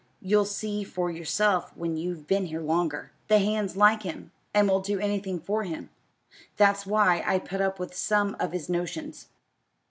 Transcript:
You'll see for yourself when you've been here longer. The hands like him, and will do anything for him. That's why I put up with some of his notions.